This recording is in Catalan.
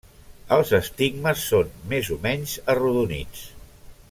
Els estigmes són més o menys arrodonits.